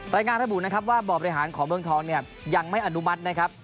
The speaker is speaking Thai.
รายงานระบุว่าบ่อบริหารของเบื้องท้องยังไม่อนุมัติ